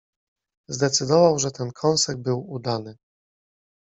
zdecydował, że ten kąsek był udany.